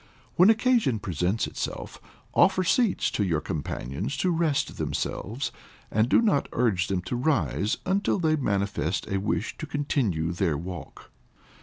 When occasion presents itself, offer seats to your companions to rest themselves, and do not urge them to rise until they manifest a wish to continue their walk.